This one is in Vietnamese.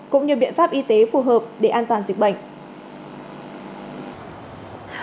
cũng như biện pháp y tế phù hợp để an toàn dịch bệnh